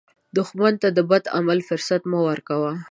دښمن ته د بد عمل فرصت مه ورکوه